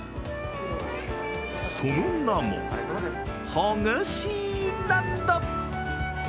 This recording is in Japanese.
その名もホグシーランド。